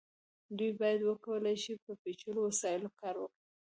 دوی باید وکولی شي په پیچلو وسایلو کار وکړي.